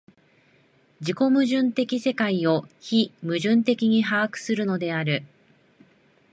自己矛盾的世界を非矛盾的に把握するのである。